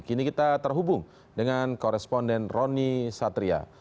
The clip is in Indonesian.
kini kita terhubung dengan koresponden roni satria